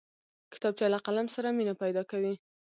کتابچه له قلم سره مینه پیدا کوي